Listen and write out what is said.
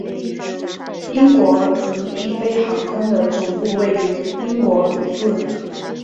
英国途易飞航空的总部位于英国卢顿。